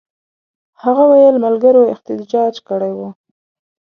هغه وویل ملګرو احتجاج کړی وو.